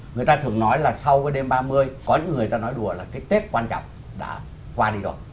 người ta thường nói là sau cái đêm ba mươi có những người ta nói đùa là cái tết quan trọng đã qua đi rồi